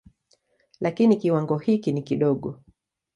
Lakini kiwango hiki ni kidogo.